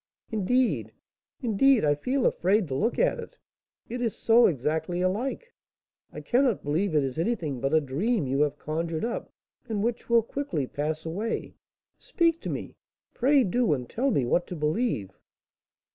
Indeed, indeed, I feel afraid to look at it, it is so exactly alike. I cannot believe it is anything but a dream you have conjured up, and which will quickly pass away. Speak to me! pray do; and tell me what to believe."